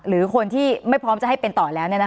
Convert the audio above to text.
หรือคนที่ไม่พร้อมจะให้เป็นต่อแล้ว